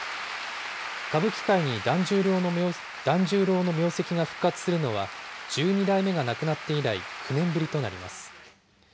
歌舞伎界に團十郎の名跡が復活するのは、十二代目が亡くなって以来、９年ぶりとなります。